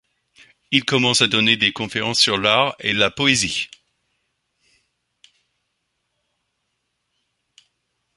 Il commence à donner des conférences sur l'art et la poésie.